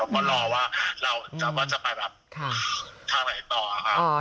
เราก็รอว่าเราจะไปแบบทางไหนต่อค่ะ